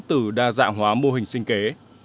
từ đa dạng hóa mô hình sinh kế